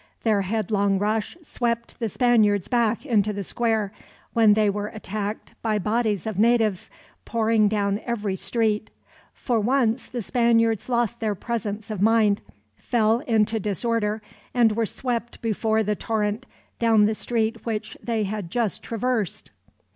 Their headlong rush swept the Spaniards back into the square, when they were attacked by bodies of natives, pouring down every street. For once the Spaniards lost their presence of mind, fell into disorder, and were swept before the torrent, down the street which they had just traversed.